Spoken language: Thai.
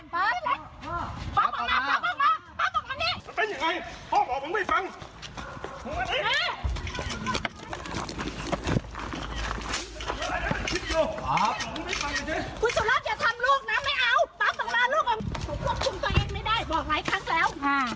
บอกหลายครั้งแล้ว